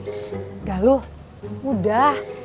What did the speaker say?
ssst galuh udah